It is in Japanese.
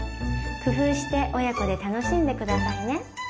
工夫して親子で楽しんで下さいね。